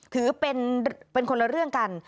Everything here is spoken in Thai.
ถือเป็นคนละเรื่องกัน